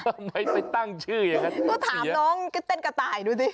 ทำไมไปตั้งชื่ออย่างนั้นก็ถามน้องก็เต้นกระต่ายดูสิ